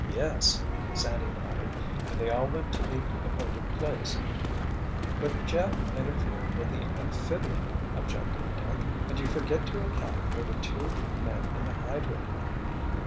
"Yes," Sandy nodded, "and they all went to the appointed place——" "But Jeff interfered with the amphibian," objected Dick, "and you forget to account for the two men in the hydroplane."